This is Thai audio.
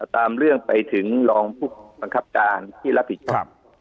ตามเรื่องไปถึงรองผู้บังคับการที่รับผิดชอบ